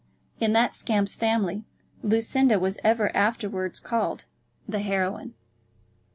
In that scamp's family, Lucinda was ever afterwards called the heroine.